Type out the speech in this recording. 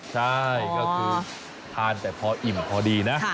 ใช่ก็คือทานแต่พออิ่มพอดีนะ